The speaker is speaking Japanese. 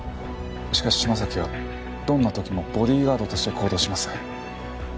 しかし島崎はどんな時もボディーガードとして行動します。